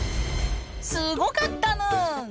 すごかったぬん！